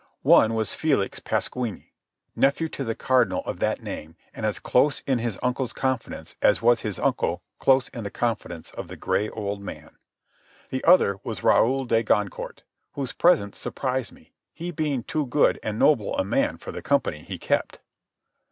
One was Felix Pasquini, nephew to the Cardinal of that name, and as close in his uncle's confidence as was his uncle close in the confidence of the gray old man. The other was Raoul de Goncourt, whose presence surprised me, he being too good and noble a man for the company he kept.